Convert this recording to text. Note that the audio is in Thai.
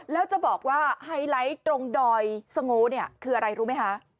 แล้วจะบอกว่าไฮไลท์ตรงดอยสโง่เนี่ยคืออะไรรู้ไหมคะ